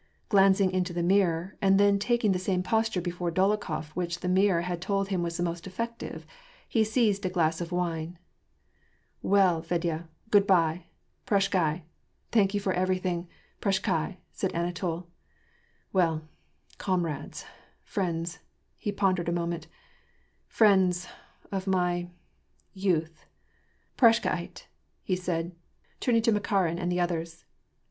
Glancing into the mirror, and then taking the same posture before Dolokhof which the mir ror had told him was most effective, he seized a glass of wine. " Well, Fedya, good by — prashchdi. Thank you for every thing, prashchdi,^^ said Anatol. " Well, comrades, friends "— he pondered a moment —" friends — of my — youth, prashckd i'^e," he said, turning to Makarin and the others.